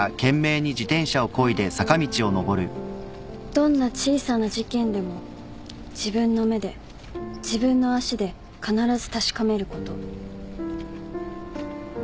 「どんな小さな事件でも自分の目で自分の足で必ず確かめること」